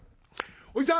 おじさん